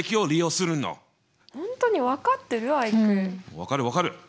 分かる分かる！